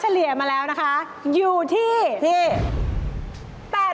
อันนี้ก็เกือบ๒๐กว่าปีแล้ว